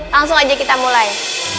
langsung aja kita mulai